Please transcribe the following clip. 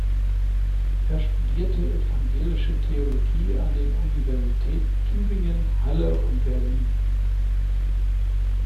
Er studierte Evangelische Theologie an den Universitäten Tübingen, Halle und Berlin.